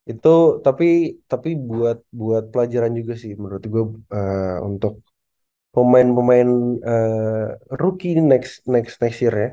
itu tapi buat pelajaran juga sih menurut gue untuk pemain pemain rookie next stesir ya